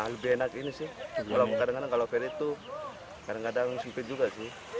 lebih enak ini sih kadang kadang kalau ferry tuh kadang kadang sempit juga sih